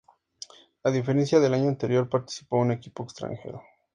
A diferencia del año anterior, participó un equipo extranjero.